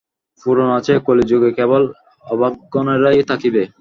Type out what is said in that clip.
পুরাণে আছে, কলিযুগে কেবল অব্রাহ্মণেরাই থাকিবে।